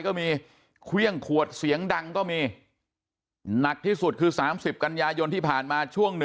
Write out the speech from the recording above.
ก็มีเครื่องขวดเสียงดังก็มีหนักที่สุดคือ๓๐กันยายนที่ผ่านมาช่วง๑